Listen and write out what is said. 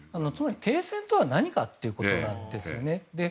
停戦とは何かということなんですよね。